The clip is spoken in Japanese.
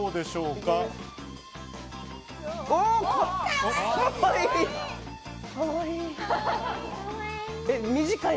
かわいい。